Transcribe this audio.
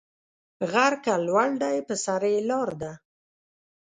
غر که لوړ دی پر سر یې لار ده